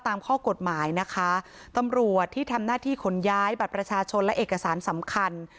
ตามข้อกฎหมายนะคะตำรวจที่ทำหน้าที่ขนย้ายบัตรประชาชนและเอกสารสำคัญ